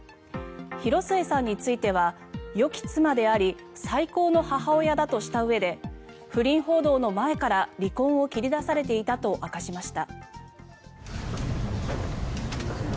広末さんについてはよき妻であり最高の母親だとしたうえで不倫報道の前から離婚を切り出されていたと明かしました。